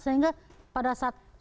sehingga pada saat turun